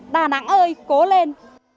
đà nẵng ơi cố lên